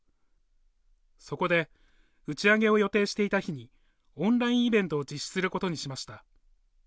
そこで打ち上げを予定していた日にオンラインイベントを実施することにしました。